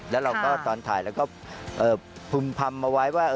แล้วเราก็ตอนถ่ายแล้วก็พึมพรรมมาไว้ว่า